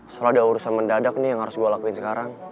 setelah ada urusan mendadak nih yang harus gue lakuin sekarang